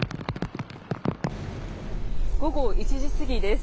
午後１時過ぎです。